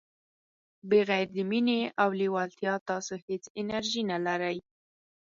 بغير د مینې او لیوالتیا تاسو هیڅ انرژي نه لرئ.